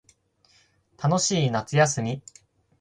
楽しい夏休み